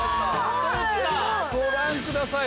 ご覧ください。